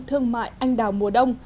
thương mại anh đào mùa đông